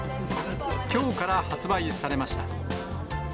きょうから発売されました。